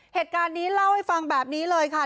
เหตุการณ์นี้เล่าให้ฟังแบบนี้เลยค่ะ